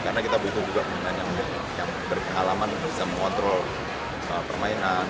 karena kita butuh juga pemain yang berpengalaman bisa mengontrol permainan